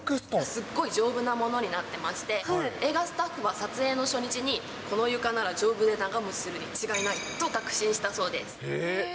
すごい丈夫なものになってまして、映画スタッフが撮影の初日に、この床なら丈夫で長もちするに違いないと確信したそうです。